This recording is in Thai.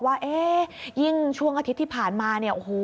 ว่ายิ่งช่วงอาทิตย์ที่ผ่านมา